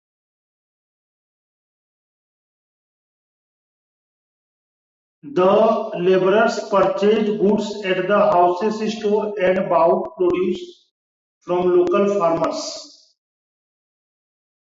The labourers purchased goods at the House's store, and bought produce from local farmers.